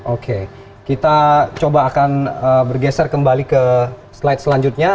oke kita coba akan bergeser kembali ke slide selanjutnya